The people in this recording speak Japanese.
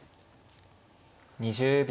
２０秒。